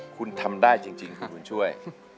คุณทำได้จริงคุณบุญช่วย